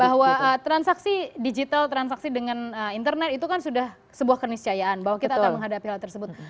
bahwa transaksi digital transaksi dengan internet itu kan sudah sebuah keniscayaan bahwa kita akan menghadapi hal tersebut